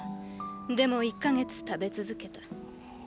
でも一か月食べ続けた。